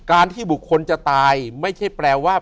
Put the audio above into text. ที่บุคคลจะตายไม่ใช่แปลว่า